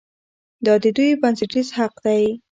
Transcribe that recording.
دا د دوی بنسټیز حق دی.